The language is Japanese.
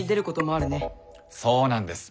そうなんです。